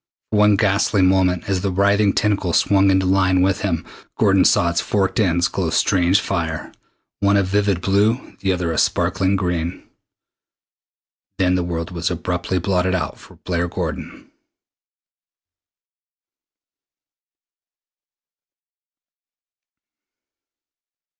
For one ghastly moment, as the writhing tentacle swung into line with him, Gordon saw its forked ends glow strange fire one a vivid blue, the other a sparkling green. Then the world was abruptly blotted out for Blair Gordon.